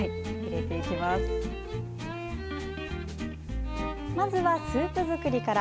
まずはスープ作りから。